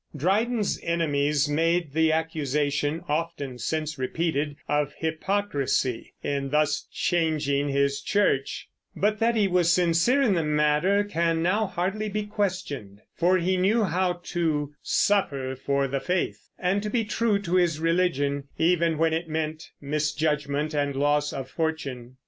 Dryden's enemies made the accusation, often since repeated, of hypocrisy in thus changing his church; but that he was sincere in the matter can now hardly be questioned, for he knew how to "suffer for the faith" and to be true to his religion, even when it meant misjudgment and loss of fortune.